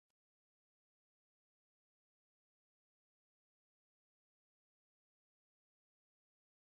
Tio povus klarigi, kial Britio subskribis la Estonia-kovencion.